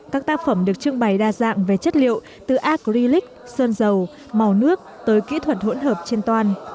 các tác phẩm được trưng bày đa dạng về chất liệu từ acrylic sơn dầu màu nước tới kỹ thuật hỗn hợp trên toàn